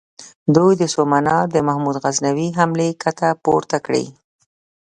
دوی په سومنات د محمود غزنوي حملې کته پورته کړې.